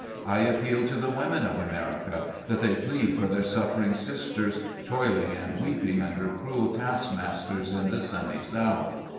I appeal to the women of America, that they plead for their suffering sisters, toiling and weeping under cruel task masters in the sunny South.